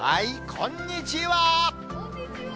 こんにちは。